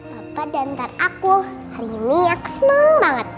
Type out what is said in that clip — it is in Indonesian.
bapak dan ntar aku hari ini ya kesenang banget